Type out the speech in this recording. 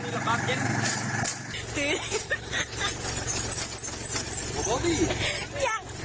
ลงเร็ว